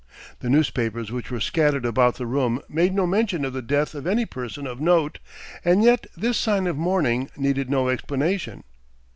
The newspapers which were scattered about the room made no mention of the death of any person of note and yet this sign of mourning needed no explanation.